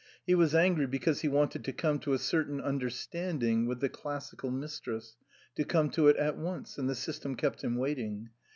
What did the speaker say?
He was angry because he wanted to come to a certain understanding with the Classical Mistress ; to come to it at once ; and the system kept him waiting.